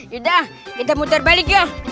yaudah kita muter balik yuk